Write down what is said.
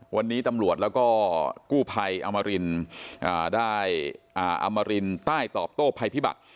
วันนี้ตำรวจแล้วก็กู้ภัยอมรินได้อมรินใต้ตอบโต้ภัยพิบัติ